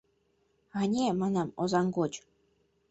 «Ане, — манам, — Озаҥ гоч».